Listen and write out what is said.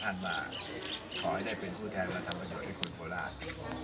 ท่านว่าขอให้ได้เป็นผู้แทนละทธรรมดิวที่คุณโคราช